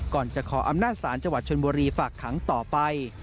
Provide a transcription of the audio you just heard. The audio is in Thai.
ก่อนจะขออำนาจศาลจังหวัดชนบุรีฝากขังต่อไป